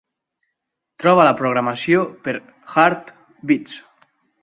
Troba la programació per "Heart Beats".